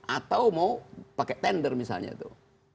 atau mau pakai tender misalnya tuh